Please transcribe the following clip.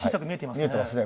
見えてますね。